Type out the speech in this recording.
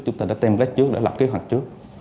chúng ta đã template trước đã lập kế hoạch trước